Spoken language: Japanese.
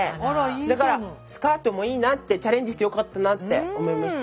だからスカートもいいなってチャレンジしてよかったなって思いました。